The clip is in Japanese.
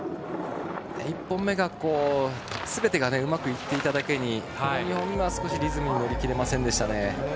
１本目がすべてがうまくいっていただけに２本目はリズムに乗り切れませんでしたね。